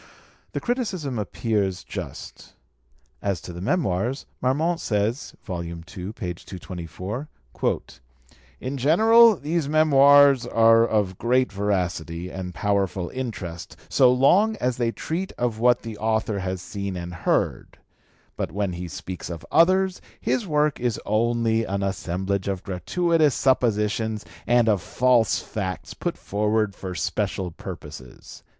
The criticism appears just. As to the Memoirs, Marmont says (ii. 224), "In general, these Memoirs are of great veracity and powerful interest so long as they treat of what the author has seen and heard; but when he speaks of others, his work is only an assemblage of gratuitous suppositions and of false facts put forward for special purposes."